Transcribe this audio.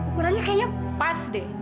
ukurannya kayaknya pas deh